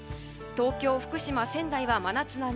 東京、福島、仙台は真夏並み。